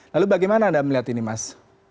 lalu bagaimana anda melihat ini mas